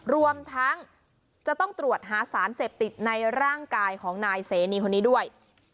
รวมทั้งจะต้องตรวจหาสารเสพติดในร่างกายของนายเสนีคนนี้ด้วย